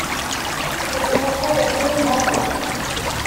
Tzemreḍ ad ten-id-tawiḍ?